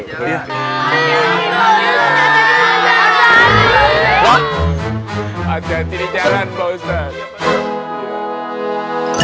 ati ati di jalan pak ustadz